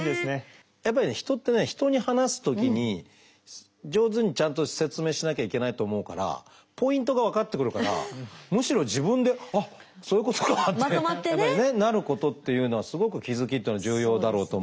やっぱりね人ってね人に話すときに上手にちゃんと説明しなきゃいけないと思うからポイントが分かってくるからむしろ自分であっそういうことか！ってなることっていうのはすごく気付きっていうのは重要だろうと思うし。